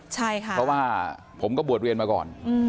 ใช่ค่ะเพราะว่าผมก็บวชเรียนมาก่อน